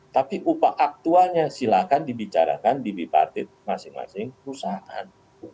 tapi upah aktuanya silahkan dibicarakan dibipatit masing masing perusahaan